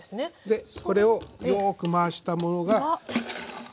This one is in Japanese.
でこれをよく回したものが。